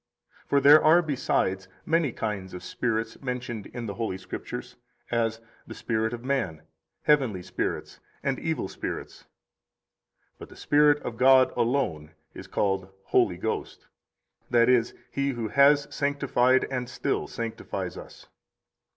36 For there are, besides, many kinds of spirits mentioned in the Holy Scriptures, as, the spirit of man, heavenly spirits, and evil spirits. But the Spirit of God alone is called Holy Ghost, that is, He who has sanctified and still sanctifies us.